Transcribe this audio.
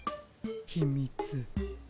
ひみつ。